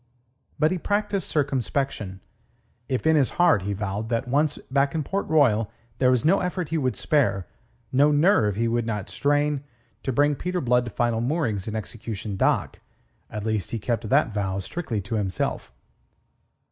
But he practised circumspection. If in his heart he vowed that once back in Port Royal there was no effort he would spare, no nerve he would not strain, to bring Peter Blood to final moorings in Execution Dock, at least he kept that vow strictly to himself.